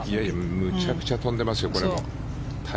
むちゃくちゃ飛んでますよ。